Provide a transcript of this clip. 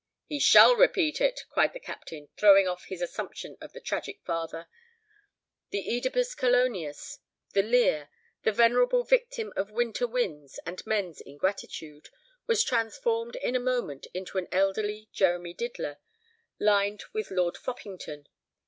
"He shall repeat it!" cried the Captain, throwing off his assumption of the tragic father. The Oedipus Coloneus, the Lear the venerable victim of winter winds and men's ingratitude was transformed in a moment into an elderly Jeremy Diddler, lined with Lord Foppington.